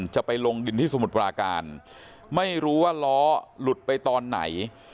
จะไปลงดินที่สมุทรปราการไม่รู้ว่าล้อหลุดไปตอนไหน